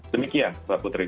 demikian pak putri